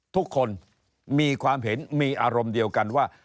ทุกคนมีความเห็นมีอารมณ์เดียวกันว่า